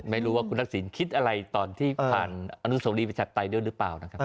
ไม่รู้ว่าคุณทักษิณคิดอะไรตอนที่ผ่านอนุโสรีประชาปไตยด้วยหรือเปล่านะครับ